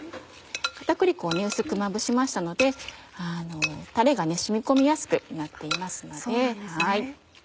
片栗粉を薄くまぶしましたのでタレが染み込みやすくなっていますので。